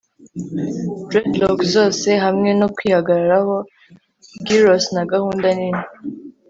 dreadlock zose hamwe no kwihagararaho, giros na gahunda nini